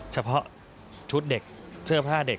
เฉพาะชุดเด็กเสื้อผ้าเด็ก